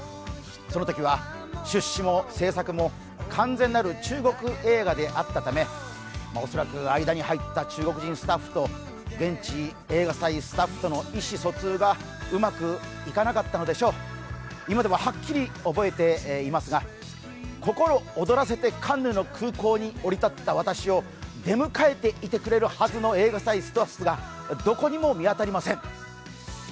その時は出資も製作も完全なる中国映画であったため恐らく間に入った中国人スタッフと現地映画祭スタッフとの意思疎通がうまくいかなかったのでしょう、今でもはっきり覚えていますが、心躍らせてカンヌの空港に降り立った私を出迎えていてくれるはずの映画祭スタッフがどこにも見当たりません。